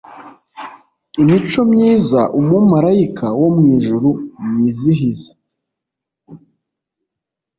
Imico myiza umumarayika wo mwijuru yizihiza